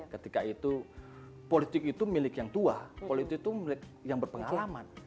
ketika itu politik itu milik yang tua politik itu milik yang berpengalaman